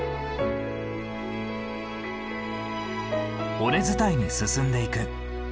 尾根伝いに進んでいく。